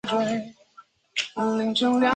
如果有兴趣要早定